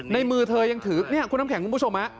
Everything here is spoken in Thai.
มือเธอยังถือเนี่ยคุณน้ำแข็งคุณผู้ชม